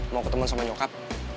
mau ketemu sama nyokap